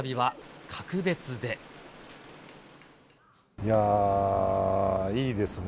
いやぁ、いいですね。